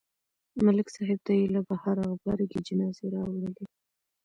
ملک صاحب ته یې له بهره غبرګې جنازې راوړلې